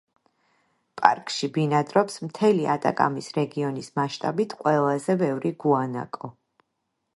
პარკში ბინადრობს მთელი ატაკამის რეგიონის მასშტაბით ყველაზე ბევრი გუანაკო.